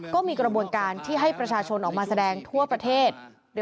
ก็มีกระบวนการที่ให้ประชาชนออกมาแสดงทั่วประเทศ